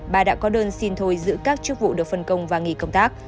bà đã có đơn xin thôi giữ các chức vụ được phân công và nghỉ công tác